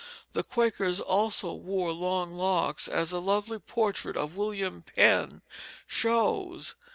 The Quakers, also, wore long locks, as the lovely portrait of William Penn shows.